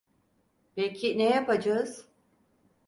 Peki ne yapacağız?